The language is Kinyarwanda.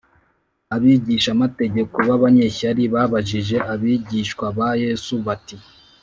abigishamategeko b’abanyeshyari babajije abigishwa ba yesu bati,